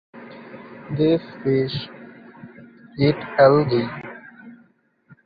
These fish eat algae.